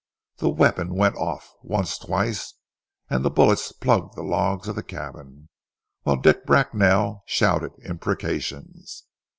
The weapon went off, once, twice, and the bullets plugged the logs of the cabin, whilst Dick Bracknell shouted imprecations.